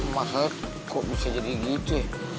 masa kok bisa jadi gitu